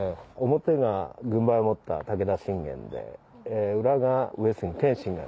表が軍配を持った武田信玄で裏が上杉謙信。